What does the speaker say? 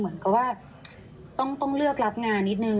เหมือนกับว่าต้องเลือกรับงานนิดนึง